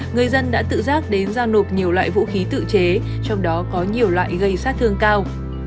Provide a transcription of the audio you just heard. người dân đã tự giác đến giao nộp nhiều loại vũ khí tự chế trong đó có nhiều loại gây sát thương cao